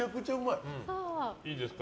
いいですか？